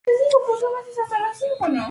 Se encuentra en Myanmar.